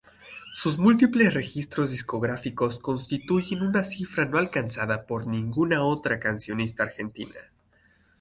Sus múltiples registros discográficos constituyen una cifra no alcanzada por ninguna otra cancionista argentina.